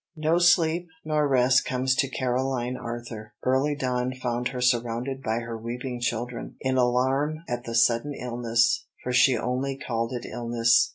No sleep nor rest comes to Caroline Arthur. Early dawn found her surrounded by her weeping children, in alarm at the sudden illness, for she only called it illness.